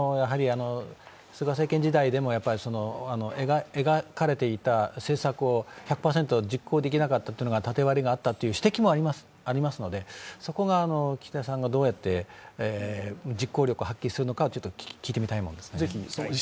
菅政権時代でも描かれていた政策を１００％実行できなかったのは縦割りがあったという指摘もありますので、そこは岸田さんがどうやって実行力を発揮するのか聞いてみたいものですね。